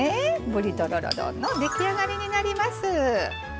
ぶりとろろ丼の出来上がりになります。